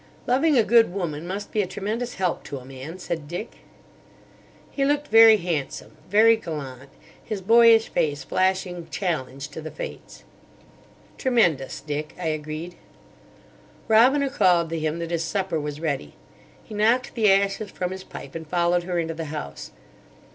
"Loving a good woman must be a tremendous help to a man," said Dick. He looked very handsome, very gallant, his boyish face flashing challenge to the Fates. "Tremendous, Dick," I agreed. Robina called to him that his supper was ready. He knocked the ashes from his pipe, and followed her into the house.